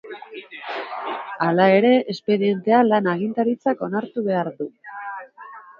Hala ere, espedientea lan-agintaritzak onartu behar du.